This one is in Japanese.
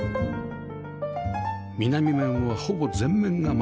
南面はほぼ全面が窓